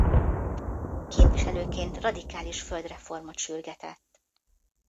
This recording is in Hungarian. Képviselőként radikális földreformot sürgetett.